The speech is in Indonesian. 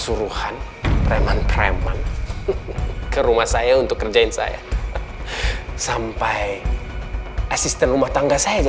untuk saat yang sama